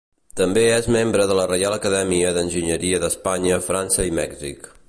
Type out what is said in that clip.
També és membre de la Reial Acadèmia d'Enginyeria d'Espanya, França i Mèxic.